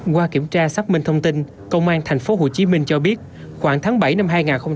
qua kiểm tra xác minh thông tin công an tp hcm cho biết khoảng tháng bảy năm hai nghìn hai mươi ba